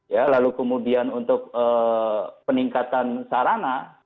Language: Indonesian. ya lalu kemudian untuk peningkatan sarana